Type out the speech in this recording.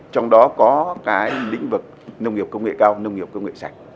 trong đó có cái lĩnh vực nông nghiệp công nghệ cao nông nghiệp công nghệ sạch